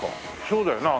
そうだよな。